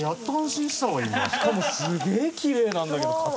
しかもすげえきれいなんだけど形。